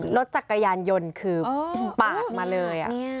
รถจักรยานยนต์คือปาดมาเลย